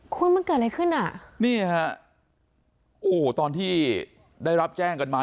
คุณมันเกิดอะไรขึ้นอ่ะนี่ฮะโอ้โหตอนที่ได้รับแจ้งกันมา